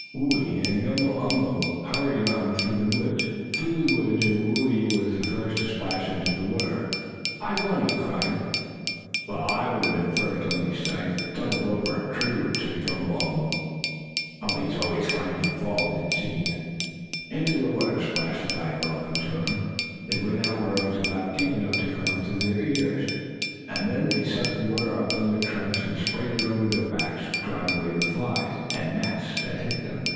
Whoo ee and Gumble umble hurried on through the woods, and Whoo ee was the first to splash into the water. "I beat!" he cried. "Well, I'd have been first only I stumbled over a tree root," said Gumble umble. He was always finding fault, it seemed. Into the water splashed the five elephant children. They went out where it was about deep enough to come up to their ears, and then they sucked water up in their trunks and sprayed it over their backs, to drive away the flies and gnats that bit them.